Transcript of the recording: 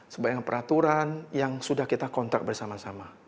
sebagian peraturan yang sudah kita kontrak bersama sama